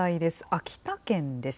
秋田県です。